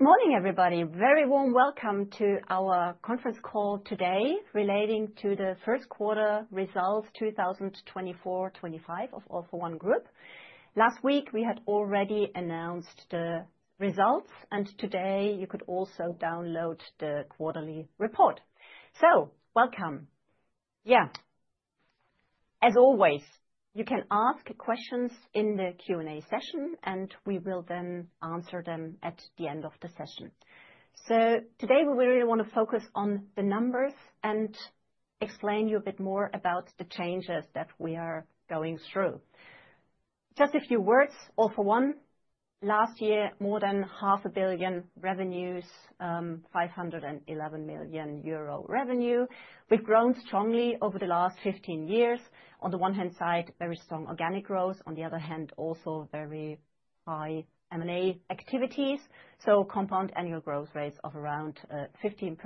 Good morning, everybody. Very warm welcome to our conference call today relating to the first quarter results 2024-'25 of All for One Group. Last week, we had already announced the results, and today you could also download the quarterly report. Welcome. As always, you can ask questions in the Q&A session, and we will then answer them at the end of the session. Today we really want to focus on the numbers and explain you a bit more about the changes that we are going through. Just a few words, All for One, last year, more than half a billion revenues, 511 million euro revenue. We've grown strongly over the last 15 years. On the one hand side, very strong organic growth, on the other hand, also very high M&A activities. Compound annual growth rates of around 15%.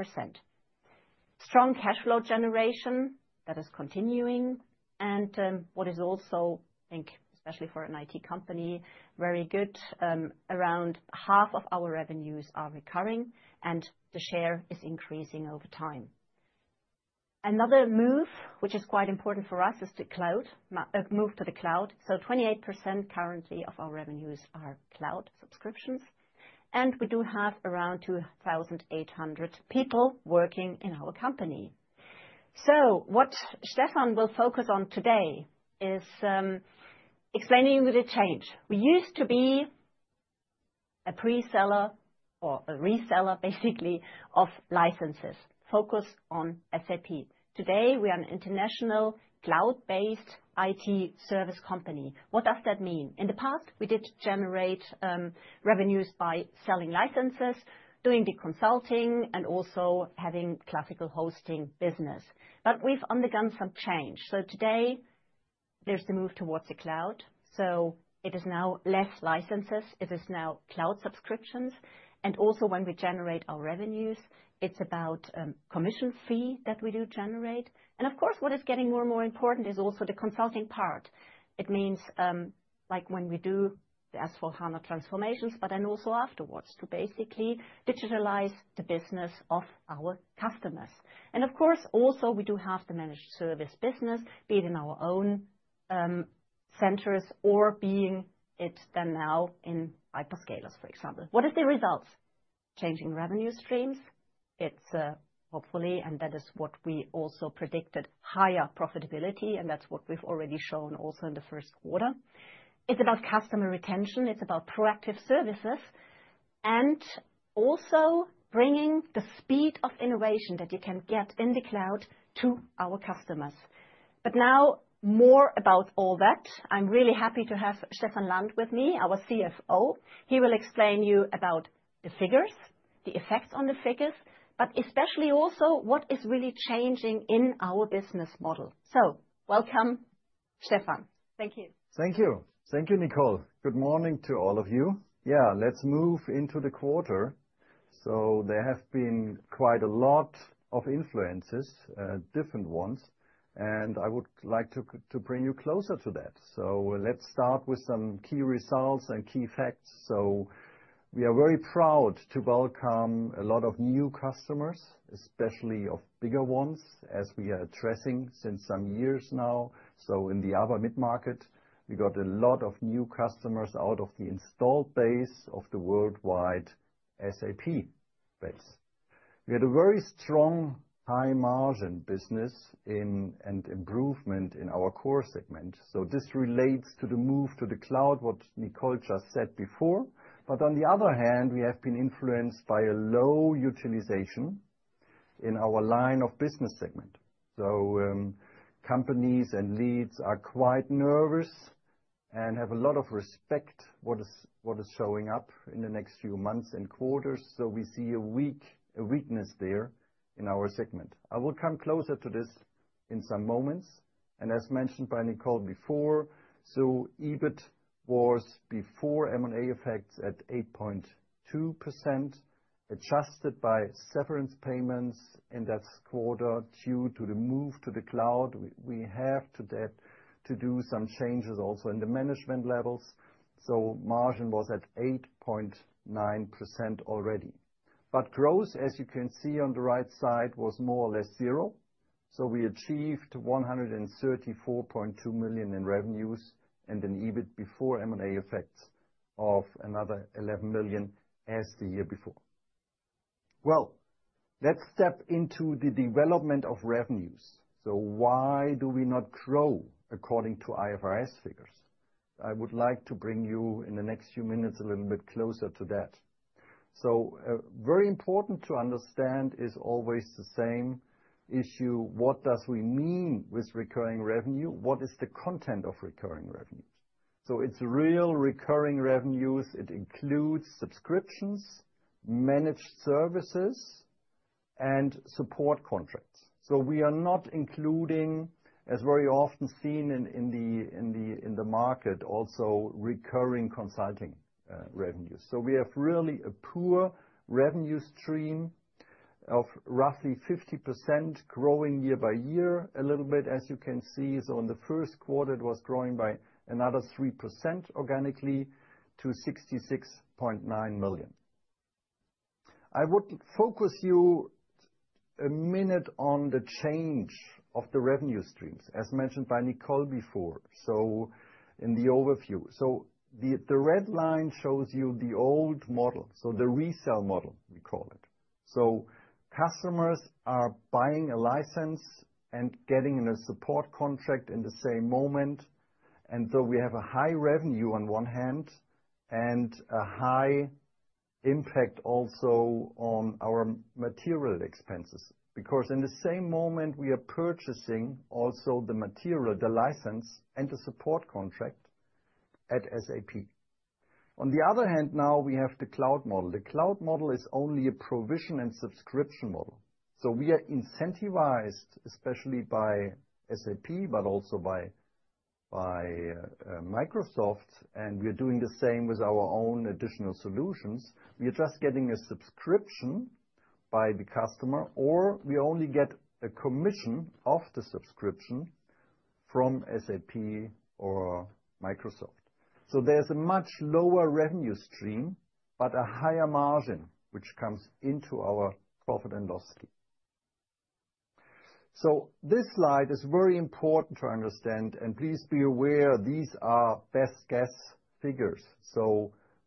Strong cash flow generation, that is continuing, and what is also, I think, especially for an IT company, very good. Around half of our revenues are recurring, and the share is increasing over time. Another move which is quite important for us is the cloud, move to the cloud. 28% currently of our revenues are cloud subscriptions, and we do have around 2,800 people working in our company. What Stefan will focus on today is explaining the change. We used to be a pre-seller or a reseller, basically, of licenses focused on SAP. Today, we are an international cloud-based IT service company. What does that mean? In the past, we did generate revenues by selling licenses, doing the consulting, and also having classical hosting business. We've undergone some change. Today, there's the move towards the cloud. It is now less licenses. It is now cloud subscriptions. Also when we generate our revenues, it's about commission fee that we do generate. Of course, what is getting more and more important is also the consulting part. It means, like when we do the S/4HANA transformations, but then also afterwards to basically digitalize the business of our customers. Of course, also we do have the managed service business, be it in our own centers or being it then now in hyperscalers, for example. What is the results? Changing revenue streams. It's hopefully, and that is what we also predicted, higher profitability, and that's what we've already shown also in the first quarter. It's about customer retention. It's about proactive services and also bringing the speed of innovation that you can get in the cloud to our customers. Now more about all that. I'm really happy to have Stefan Land with me, our CFO. He will explain you about the figures, the effects on the figures, but especially also what is really changing in our business model. Welcome, Stefan. Thank you. Thank you. Thank you, Nicole. Good morning to all of you. Let's move into the quarter. There have been quite a lot of influences, different ones, and I would like to bring you closer to that. Let's start with some key results and key facts. We are very proud to welcome a lot of new customers, especially of bigger ones, as we are addressing since some years now. In the upper midmarket, we got a lot of new customers out of the installed base of the worldwide SAP base. We had a very strong high margin business and improvement in our core segment. This relates to the move to the cloud, what Nicole just said before. On the other hand, we have been influenced by a low utilization in our line of business segment. Companies and leads are quite nervous and have a lot of respect what is showing up in the next few months and quarters. We see a weakness there in our segment. I will come closer to this in some moments. As mentioned by Nicole before, EBIT was before M&A effects at 8.2%, adjusted by severance payments in that quarter due to the move to the cloud. We have to do some changes also in the management levels. Margin was at 8.9% already. Growth, as you can see on the right side, was more or less zero. We achieved 134.2 million in revenues and an EBIT before M&A effects of another 11 million as the year before. Let's step into the development of revenues. Why do we not grow according to IFRS figures? I would like to bring you in the next few minutes a little bit closer to that. Very important to understand is always the same issue. What do we mean with recurring revenue? What is the content of recurring revenues? It's real recurring revenues. It includes subscriptions, managed services, and support contracts. We are not including, as very often seen in the market also, recurring consulting revenues. We have really a pure revenue stream of roughly 50% growing year by year a little bit, as you can see. In the first quarter, it was growing by another 3% organically to 66.9 million. I would focus you a minute on the change of the revenue streams, as mentioned by Nicole before. In the overview. The red line shows you the old model, the resell model, we call it. Customers are buying a license and getting a support contract in the same moment. We have a high revenue on one hand and a high impact also on our material expenses, because in the same moment, we are purchasing also the material, the license, and the support contract at SAP. On the other hand, now we have the cloud model. The cloud model is only a provision and subscription model. We are incentivized, especially by SAP, but also by Microsoft, and we are doing the same with our own additional solutions. We are just getting a subscription by the customer, or we only get a commission of the subscription from SAP or Microsoft. There's a much lower revenue stream, but a higher margin, which comes into our profit and loss scheme. This slide is very important to understand, please be aware these are best guess figures.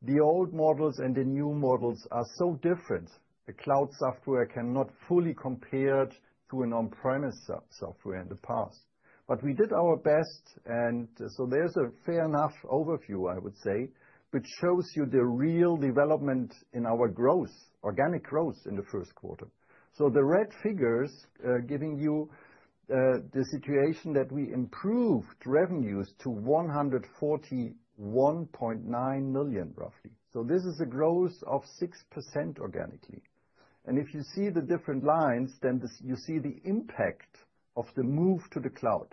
The old models and the new models are so different. The cloud software cannot fully compare to an on-premise software in the past. We did our best, there's a fair enough overview, I would say, which shows you the real development in our growth, organic growth in the first quarter. The red figures, giving you the situation that we improved revenues to 141.9 million, roughly. This is a growth of 6% organically. If you see the different lines, then you see the impact of the move to the cloud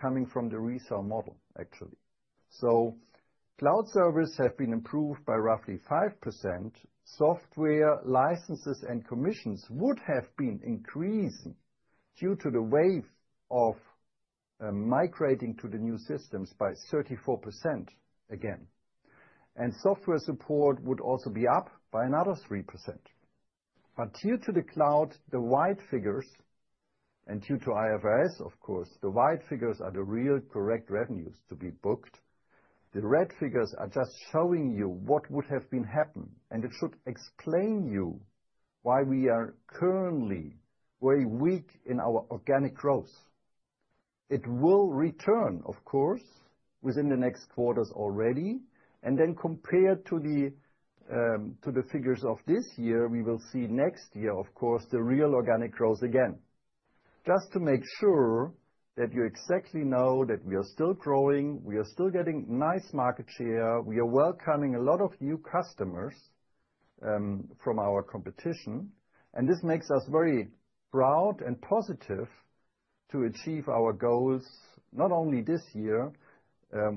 coming from the resale model, actually. Cloud service have been improved by roughly 5%. Software licenses and commissions would have been increasing due to the wave of migrating to the new systems by 34% again. Software support would also be up by another 3%. Due to the cloud, the white figures, and due to IFRS, of course, the white figures are the real correct revenues to be booked. The red figures are just showing you what would have happened, it should explain you why we are currently very weak in our organic growth. It will return, of course, within the next quarters already. Compared to the figures of this year, we will see next year, of course, the real organic growth again. Just to make sure that you exactly know that we are still growing, we are still getting nice market share, we are welcoming a lot of new customers from our competition. This makes us very proud and positive to achieve our goals, not only this year,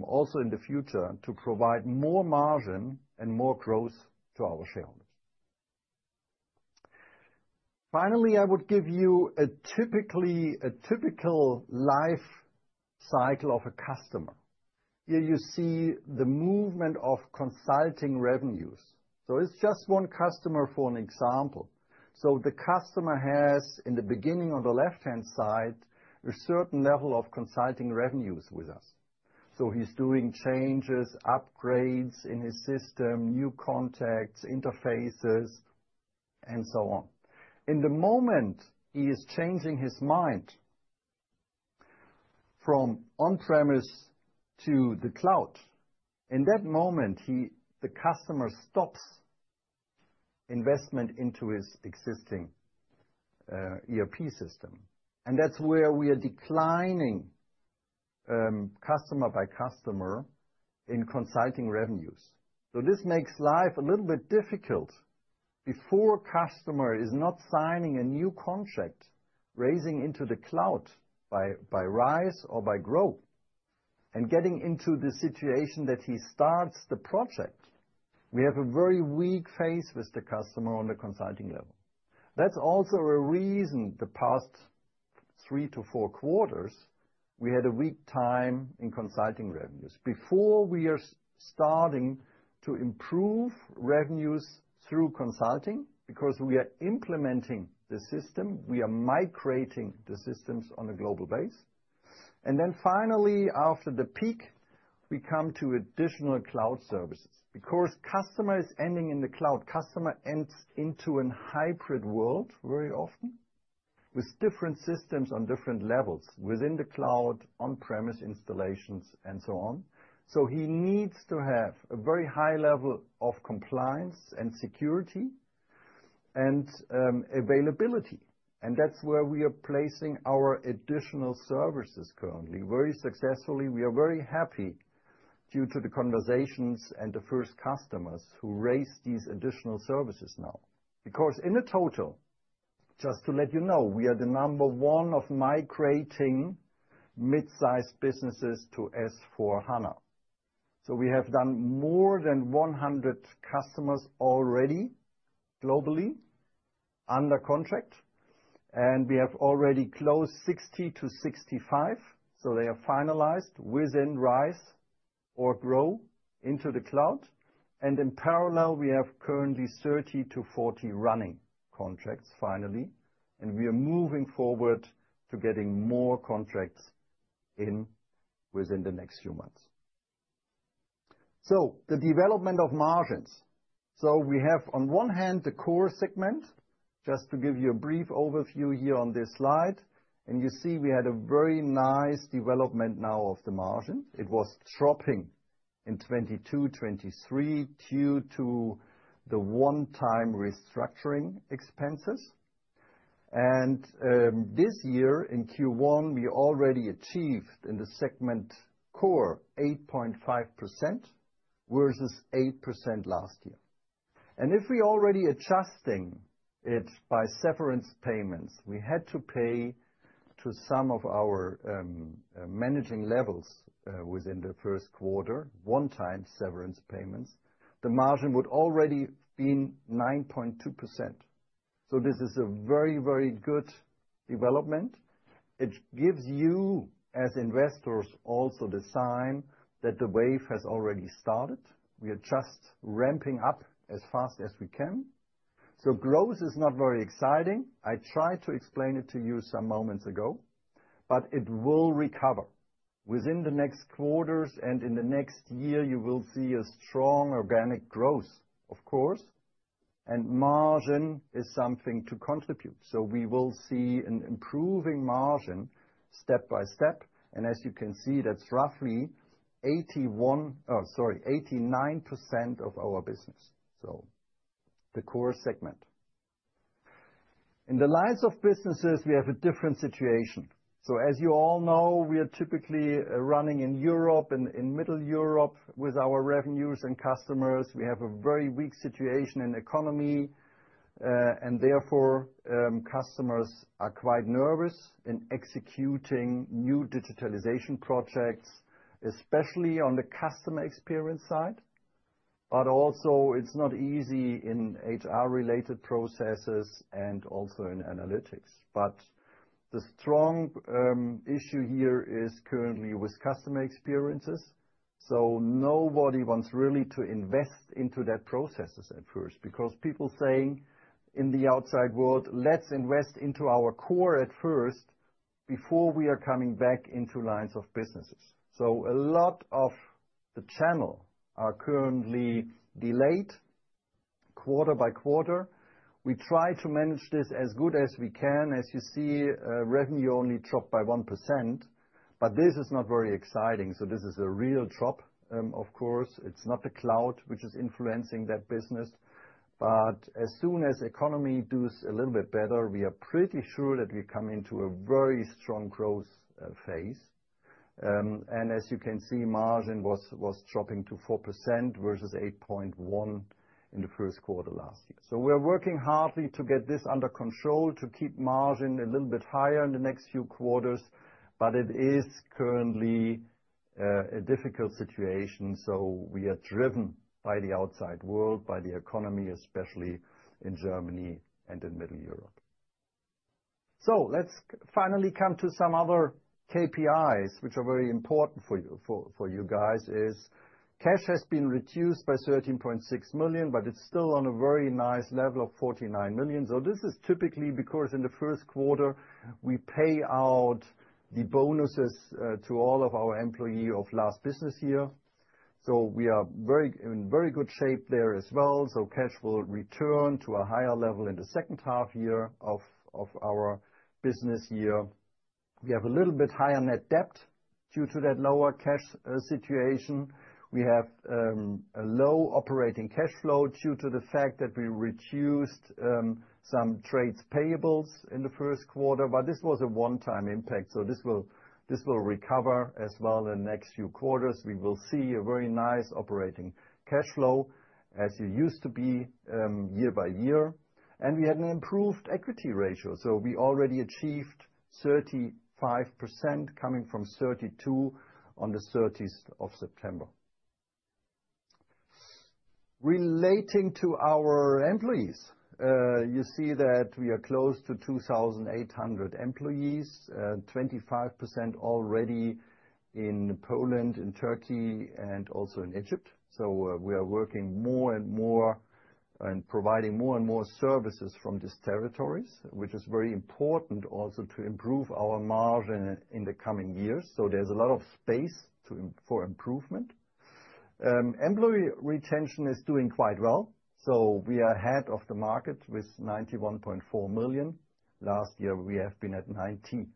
also in the future, to provide more margin and more growth to our shareholders. Finally, I would give you a typical life cycle of a customer. Here you see the movement of consulting revenues. It's just one customer for an example. The customer has, in the beginning, on the left-hand side, a certain level of consulting revenues with us. He's doing changes, upgrades in his system, new contacts, interfaces, and so on. In the moment he is changing his mind from on-premise to the cloud, in that moment, the customer stops investment into his existing ERP system. That's where we are declining, customer by customer, in consulting revenues. This makes life a little bit difficult. Before a customer is not signing a new contract, raising into the cloud by Rise or by Grow, and getting into the situation that he starts the project, we have a very weak phase with the customer on the consulting level. That's also a reason the past three to four quarters, we had a weak time in consulting revenues. Before we are starting to improve revenues through consulting, because we are implementing the system, we are migrating the systems on a global base. Finally, after the peak, we come to additional cloud services. Customer is ending in the cloud, customer ends into an hybrid world very often with different systems on different levels within the cloud, on-premise installations, and so on. He needs to have a very high level of compliance and security and availability. That's where we are placing our additional services currently, very successfully. We are very happy due to the conversations and the first customers who raise these additional services now. In the total, just to let you know, we are the number one of migrating mid-sized businesses to S/4HANA. We have done more than 100 customers already globally under contract, and we have already closed 60 to 65. They are finalized within RISE or GROW into the cloud. In parallel, we have currently 30 to 40 running contracts, finally. We are moving forward to getting more contracts in within the next few months. The development of margins. We have, on one hand, the CORE segment, just to give you a brief overview here on this slide. You see we had a very nice development now of the margin. It was dropping in 2022, 2023, due to the one-time restructuring expenses. This year, in Q1, we already achieved in the segment CORE 8.5% versus 8% last year. If we already adjusting it by severance payments we had to pay to some of our managing levels within the first quarter, one-time severance payments, the margin would already been 9.2%. This is a very good development. It gives you, as investors, also the sign that the wave has already started. We are just ramping up as fast as we can. Growth is not very exciting. I tried to explain it to you some moments ago, but it will recover. Within the next quarters and in the next year, you will see a strong organic growth, of course, and margin is something to contribute. We will see an improving margin step by step. As you can see, that's roughly 89% of our business, so the CORE segment. In the lines of businesses, we have a different situation. As you all know, we are typically running in Europe and in Middle Europe with our revenues and customers. We have a very weak situation in the economy, and therefore, customers are quite nervous in executing new digitalization projects, especially on the customer experience side. Also it's not easy in HR-related processes and also in analytics. The strong issue here is currently with customer experiences. Nobody wants really to invest into that processes at first because people saying in the outside world, 'Let's invest into our CORE at first before we are coming back into lines of businesses.' A lot of the channel are currently delayed quarter by quarter. We try to manage this as good as we can. As you see, revenue only dropped by 1%, but this is not very exciting. This is a real drop, of course. It's not the cloud which is influencing that business. As soon as economy does a little bit better, we are pretty sure that we come into a very strong growth phase. As you can see, margin was dropping to 4% versus 8.1% in the first quarter last year. We are working hardly to get this under control to keep margin a little bit higher in the next few quarters, but it is currently a difficult situation. We are driven by the outside world, by the economy, especially in Germany and in Middle Europe. Let's finally come to some other KPIs, which are very important for you guys, is cash has been reduced by 13.6 million, but it's still on a very nice level of 49 million. This is typically because in the first quarter, we pay out the bonuses to all of our employee of last business year. We are in very good shape there as well. Cash will return to a higher level in the second half year of our business year. We have a little bit higher net debt due to that lower cash situation. We have a low operating cash flow due to the fact that we reduced some trade payables in the first quarter, but this was a one-time impact, this will recover as well in the next few quarters. We will see a very nice operating cash flow as it used to be year by year. We had an improved equity ratio. We already achieved 35% coming from 32% on September 30. Relating to our employees, you see that we are close to 2,800 employees, 25% already in Poland, in Turkey, and also in Egypt. We are working more and more and providing more and more services from these territories, which is very important also to improve our margin in the coming years. There's a lot of space for improvement. Employee retention is doing quite well. We are ahead of the market with 91.4%. Last year, we have been at 90.2%.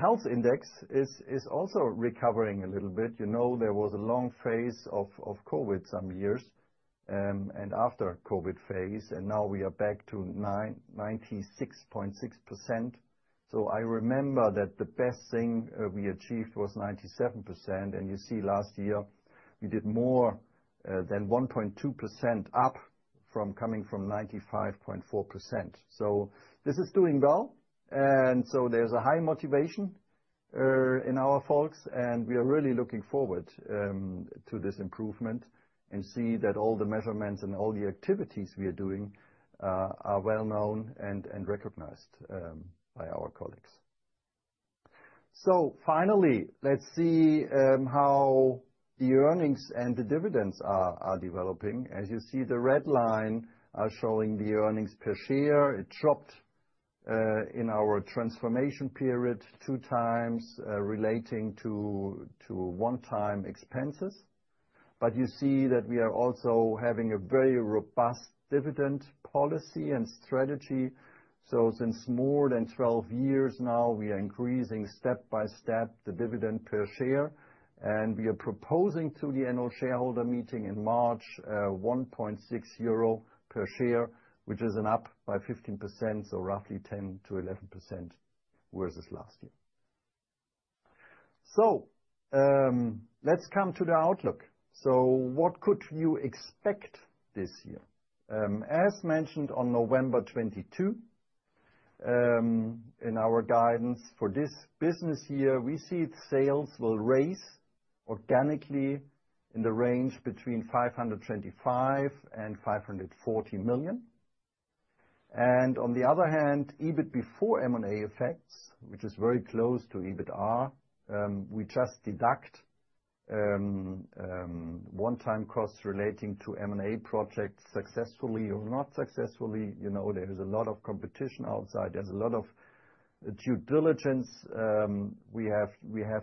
Health index is also recovering a little bit. There was a long phase of COVID some years, and after COVID phase, and now we are back to 96.6%. I remember that the best thing we achieved was 97%, and you see last year we did more than 1.2% up from 95.4%. This is doing well, there's a high motivation in our folks, and we are really looking forward to this improvement and see that all the measurements and all the activities we are doing are well-known and recognized by our colleagues. Finally, let's see how the earnings and the dividends are developing. As you see, the red line are showing the earnings per share. It dropped in our transformation period two times relating to one-time expenses. You see that we are also having a very robust dividend policy and strategy. Since more than 12 years now, we are increasing step by step the dividend per share, and we are proposing to the annual shareholder meeting in March 1.6 euro per share, which is an up by 15%, roughly 10%-11% versus last year. Let's come to the outlook. What could you expect this year? As mentioned on November 22, in our guidance for this business year, we see sales will raise organically in the range between 525 million and 540 million. On the other hand, EBIT before M&A effects, which is very close to EBITA. We just deduct one-time costs relating to M&A projects successfully or not successfully. There is a lot of competition outside. There's a lot of due diligence we have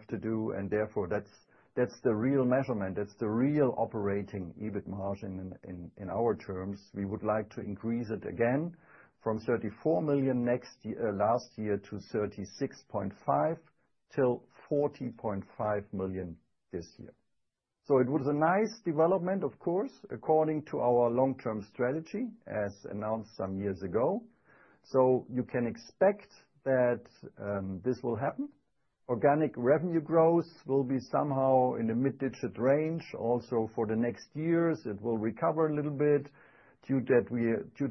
to do, and therefore, that's the real measurement, that's the real operating EBIT margin in our terms. We would like to increase it again from 34 million last year to 36.5 million-40.5 million this year. It was a nice development, of course, according to our long-term strategy, as announced some years ago. You can expect that this will happen. Organic revenue growth will be somehow in the mid-digit range also for the next years. It will recover a little bit due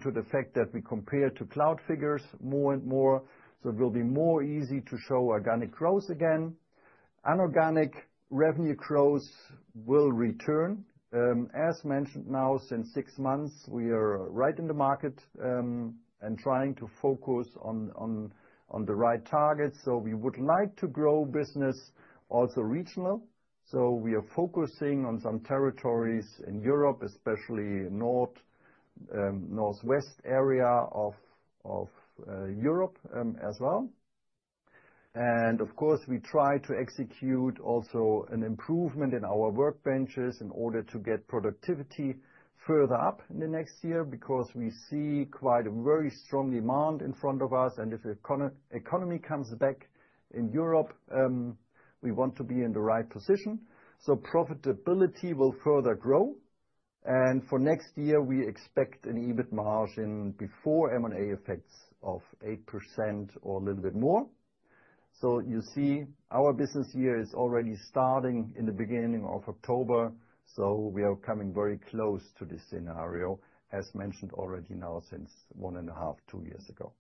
to the fact that we compare to cloud figures more and more, it will be more easy to show organic growth again. Inorganic revenue growth will return. As mentioned now, since six months, we are right in the market and trying to focus on the right targets. We would like to grow business also regional. We are focusing on some territories in Europe, especially North, Northwest area of Europe, as well. Of course, we try to execute also an improvement in our workbenches in order to get productivity further up in the next year, because we see quite a very strong demand in front of us. If the economy comes back in Europe, we want to be in the right position. Profitability will further grow. For next year, we expect an EBIT margin before M&A effects of 8% or a little bit more. You see our business year is already starting in the beginning of October, we are coming very close to this scenario, as mentioned already now since one and a half, two years ago.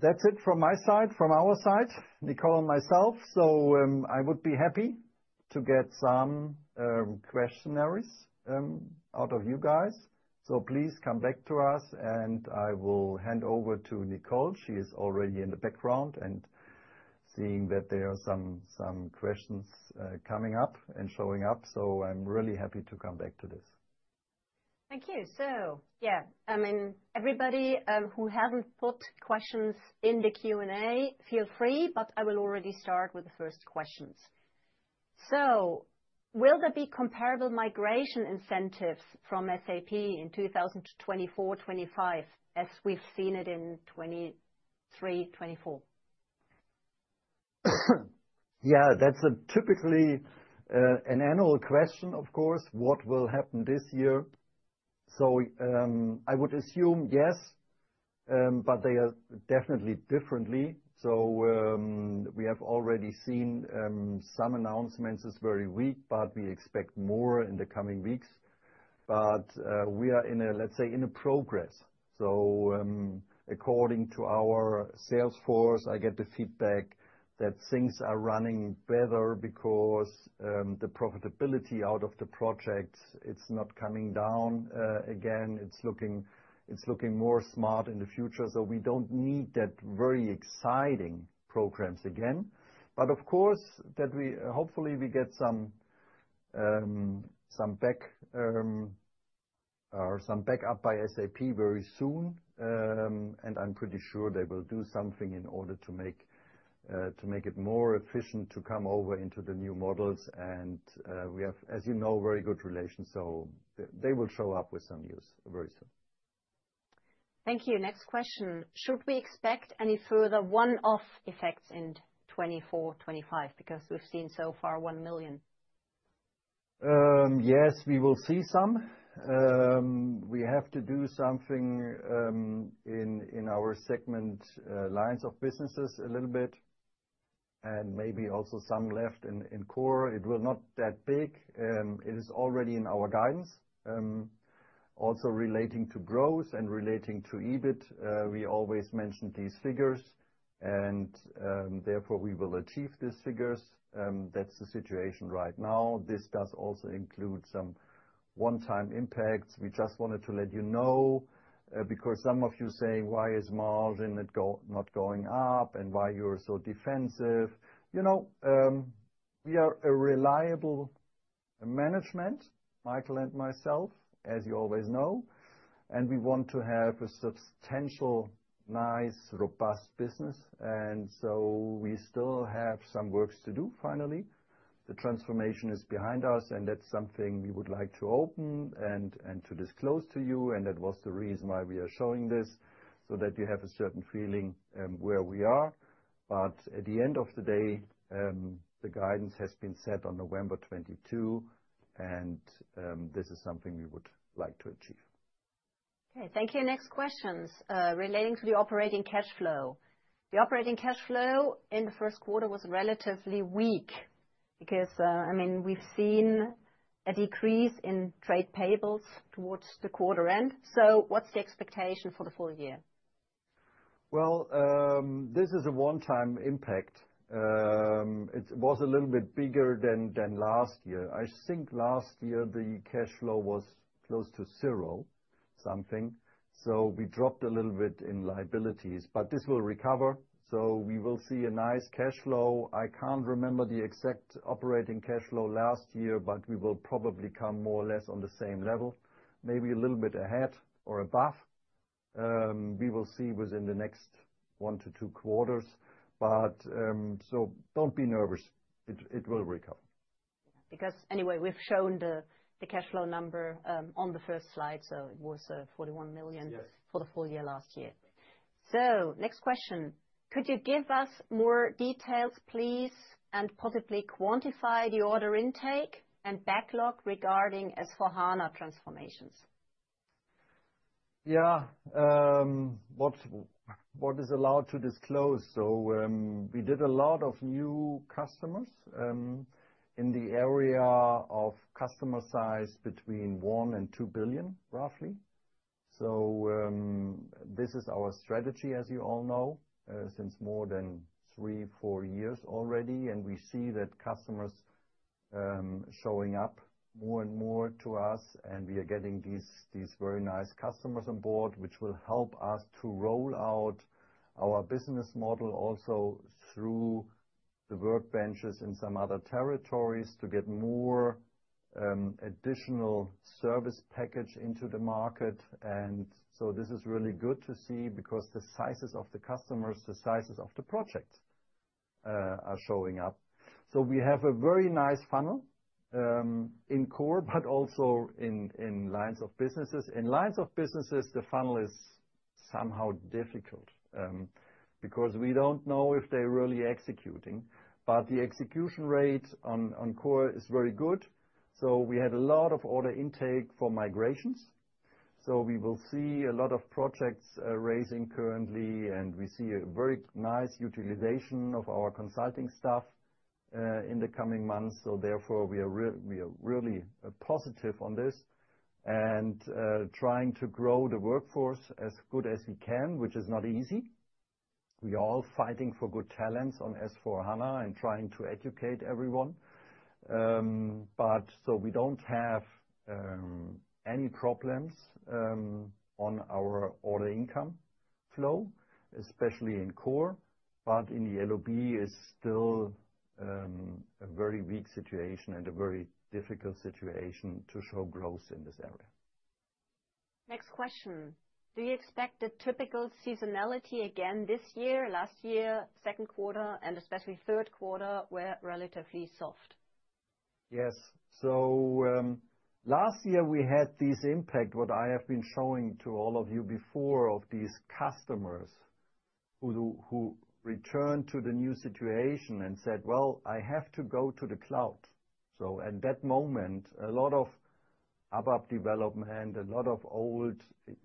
That's it from my side, from our side, Nicole and myself. I would be happy to get some questions out of you guys. Please come back to us and I will hand over to Nicole. She is already in the background and seeing that there are some questions coming up and showing up, I'm really happy to come back to this. Thank you. Yeah. Everybody who hasn't put questions in the Q&A, feel free, I will already start with the first questions. Will there be comparable migration incentives from SAP in 2024/2025 as we've seen it in 2023/2024? That's typically an annual question, of course. What will happen this year? I would assume yes, but they are definitely differently. We have already seen some announcements this very week, but we expect more in the coming weeks. We are in a, let's say, in a progress. According to our sales force, I get the feedback that things are running better because the profitability out of the project, it's not coming down again. It's looking more smart in the future. We don't need that very exciting programs again. Of course, hopefully we get some back, or some backup by SAP very soon. I'm pretty sure they will do something in order to make it more efficient to come over into the new models. We have, as you know, very good relations, so they will show up with some news very soon. Thank you. Next question. Should we expect any further one-off effects in 2024/2025? Because we've seen so far 1 million. Yes, we will see some. We have to do something in our segment lines of businesses a little bit. Maybe also some left in CORE. It was not that big. It is already in our guidance. Also relating to growth and relating to EBIT, we always mention these figures, therefore we will achieve these figures. That's the situation right now. This does also include some one-time impacts. We just wanted to let you know, because some of you saying, "Why is margin not going up?" "Why you're so defensive?" We are a reliable management, Michael and myself, as you always know, we want to have a substantial, nice, robust business. We still have some works to do, finally. The transformation is behind us, that's something we would like to open and to disclose to you, that was the reason why we are showing this, so that you have a certain feeling where we are. At the end of the day, the guidance has been set on November 22, and this is something we would like to achieve. Okay, thank you. Next questions. Relating to the operating cash flow. The operating cash flow in the first quarter was relatively weak because we've seen a decrease in trade payables towards the quarter end. What's the expectation for the full year? This is a one-time impact. It was a little bit bigger than last year. I think last year the cash flow was close to zero. We dropped a little bit in liabilities. This will recover. We will see a nice cash flow. I can't remember the exact operating cash flow last year, but we will probably come more or less on the same level, maybe a little bit ahead or above. We will see within the next one to two quarters. Don't be nervous. It will recover. We've shown the cash flow number on the first slide, it was 41 million. Yes for the full year last year. Next question. Could you give us more details, please, and possibly quantify the order intake and backlog regarding S/4HANA transformations? Yeah. What is allowed to disclose. We did a lot of new customers in the area of customer size between 1 billion and 2 billion, roughly. This is our strategy, as you all know, since more than three, four years already. We see that customers showing up more and more to us, and we are getting these very nice customers on board, which will help us to roll out our business model also through the workbenches in some other territories to get more additional service package into the market. This is really good to see because the sizes of the customers, the sizes of the projects are showing up. We have a very nice funnel in CORE, but also in lines of businesses. In lines of businesses, the funnel is somehow difficult. We don't know if they're really executing. The execution rate on CORE is very good. We had a lot of order intake for migrations. We will see a lot of projects raising currently, and we see a very nice utilization of our consulting staff, in the coming months. Therefore we are really positive on this and trying to grow the workforce as good as we can, which is not easy. We are all fighting for good talents on S/4HANA and trying to educate everyone. We don't have any problems on our order income flow, especially in CORE. In the LOB is still a very weak situation and a very difficult situation to show growth in this area. Next question. Do you expect the typical seasonality again this year? Last year, second quarter and especially third quarter were relatively soft. Yes. Last year we had this impact, what I have been showing to all of you before, of these customers who returned to the new situation and said, "Well, I have to go to the cloud." At that moment, a lot of ABAP development, a lot of old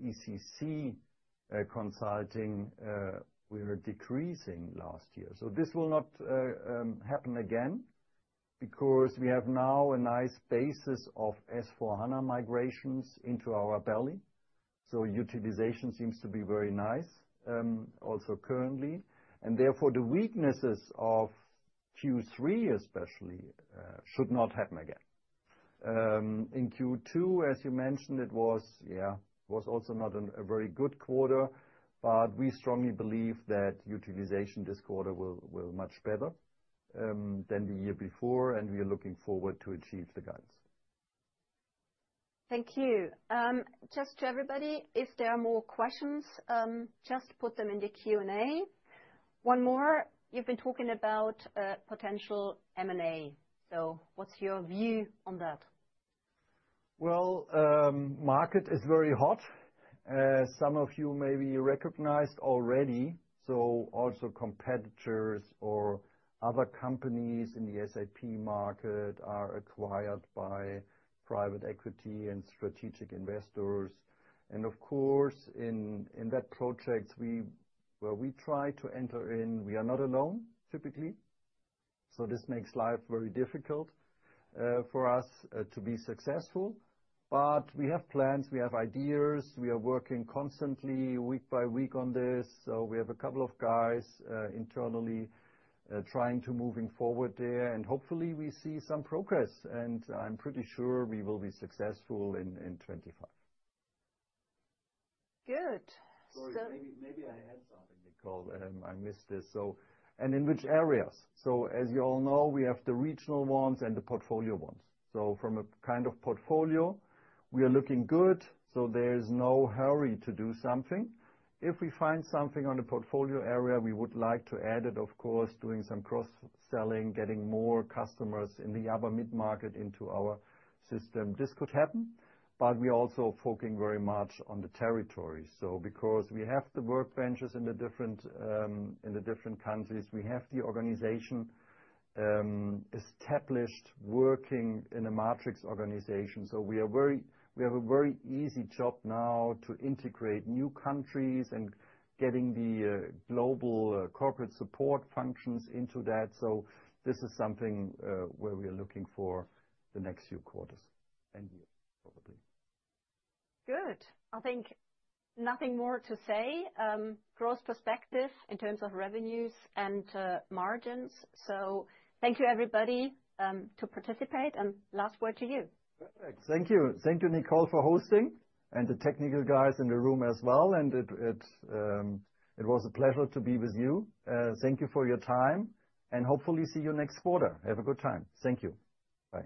ECC consulting, we were decreasing last year. This will not happen again because we have now a nice basis of S/4HANA migrations into our belly. Utilization seems to be very nice, also currently. The weaknesses of Q3 especially, should not happen again. In Q2, as you mentioned, it was also not a very good quarter, we strongly believe that utilization this quarter will much better than the year before, and we are looking forward to achieve the guidance. Thank you. Just to everybody, if there are more questions, just put them in the Q&A. One more. You've been talking about potential M&A. What's your view on that? Well, market is very hot. Some of you maybe recognized already. Also competitors or other companies in the SAP market are acquired by private equity and strategic investors. Of course, in that project where we try to enter in, we are not alone, typically. This makes life very difficult for us to be successful. We have plans, we have ideas. We are working constantly, week by week on this. We have a couple of guys internally trying to moving forward there, and hopefully we see some progress, and I'm pretty sure we will be successful in 2025. Good. Sorry, maybe I had something, Nicole, I missed this. In which areas? As you all know, we have the regional ones and the portfolio ones. From a kind of portfolio, we are looking good, so there's no hurry to do something. If we find something on the portfolio area, we would like to add it, of course, doing some cross-selling, getting more customers in the ABAP mid-market into our system. This could happen, but we're also focusing very much on the territory. Because we have the workbenches in the different countries, we have the organization established working in a matrix organization. We have a very easy job now to integrate new countries and getting the global corporate support functions into that. This is something where we're looking for the next few quarters and years, probably. Good. I think nothing more to say. Growth perspective in terms of revenues and margins. Thank you, everybody to participate, and last word to you. Perfect. Thank you. Thank you, Nicole, for hosting, and the technical guys in the room as well, and it was a pleasure to be with you. Thank you for your time and hopefully see you next quarter. Have a good time. Thank you. Bye-bye.